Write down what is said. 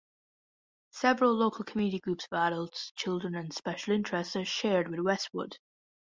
Several local community groups for adults, children and special interests are shared with Westwood.